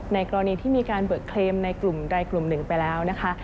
กรณีที่มีการเบิกเคลมในกลุ่มใดกลุ่มหนึ่งไปแล้วนะคะ